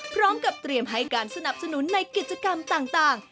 พร้อมกับเตรียมให้การสนับสนุนในกิจกรรมต่าง